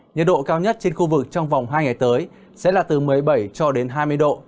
nhiệt độ cao nhất trên khu vực trong vòng hai ngày tới sẽ là từ một mươi bảy cho đến hai mươi độ